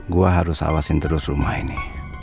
gue harus awasin terus rumah ini